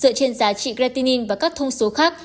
dựa trên giá trị gratin và các thông số khác